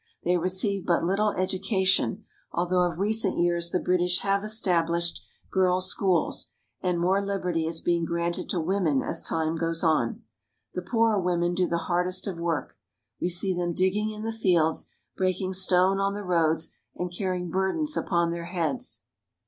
They receive but little education, although of recent years the British have established girls' schools, and more liberty is being granted to women as time goes on. The poorer women do the hardest of work. We see them digging in the fields, breaking stone on the roads, and carrying burdens upon their heads.